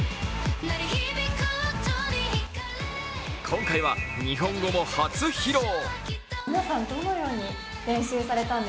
今回は日本語も初披露。